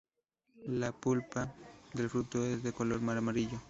La pulpa del fruto es de color amarillo.